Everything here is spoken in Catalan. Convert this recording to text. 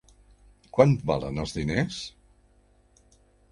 Quant valen els diners?